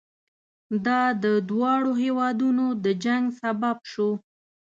دا د دواړو هېوادونو د جنګ سبب شو.